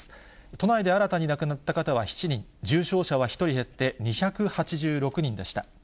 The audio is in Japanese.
都内で新たに亡くなった方は７人、重症者は１人減って２８６人でした。